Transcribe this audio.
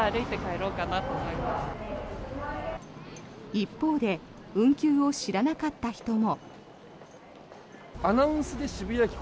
一方で運休を知らなかった人も。